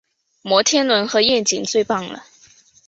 摩天轮和夜景最棒了